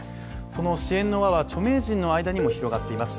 その支援の輪は著名人の間にも広がっています。